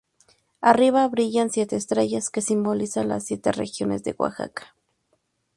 Arriba brillan siete estrellas, que simbolizan las siete regiones de Oaxaca.